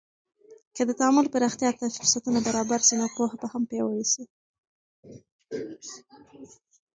که د تعامل پراختیا ته فرصتونه برابر سي، نو پوهه به هم پیاوړې سي.